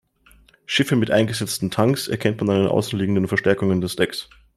Schiffe mit eingesetzten Tanks erkennt man an den außenliegenden Verstärkungen des Decks.